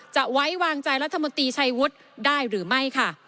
ไว้วางใจรัฐมนตรีชัยวุฒิได้หรือไม่ค่ะ